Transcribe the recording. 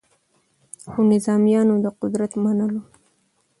خو نظامیانو د قدرت منلو